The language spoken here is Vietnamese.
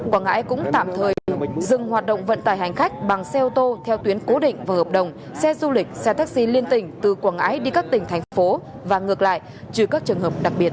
quảng ngãi cũng tạm thời dừng hoạt động vận tải hành khách bằng xe ô tô theo tuyến cố định và hợp đồng xe du lịch xe taxi liên tỉnh từ quảng ngãi đi các tỉnh thành phố và ngược lại trừ các trường hợp đặc biệt